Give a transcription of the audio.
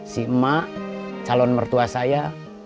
si emak calon mertua saya